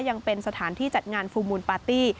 ยังเป็นสถานที่จัดงานฟูลมูลปาร์ตี้